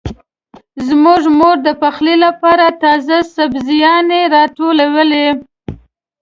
زما مور د پخلي لپاره تازه سبزيانې راټولوي.